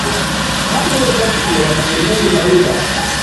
هر نوی درس یوه نوې نړۍ ده.